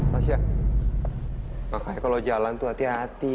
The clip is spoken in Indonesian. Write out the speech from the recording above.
tasya makanya kalau jalan tuh hati hati